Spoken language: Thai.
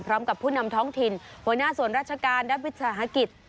พร้อมกับผู้นำท้องถิ่นหัวหน้าส่วนราชการด้านวิชาหกิจ